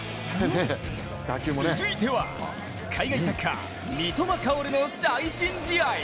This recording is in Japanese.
続いては、海外サッカー三笘薫の最新試合。